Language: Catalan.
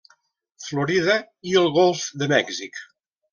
Florida i el Golf de Mèxic.